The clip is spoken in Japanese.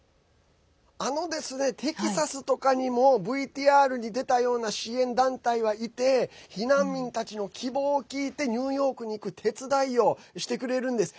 テキサスとかにもＶＴＲに出たような支援団体はいて避難民たちの希望を聞いてニューヨークに行く手伝いをしてくれるんです。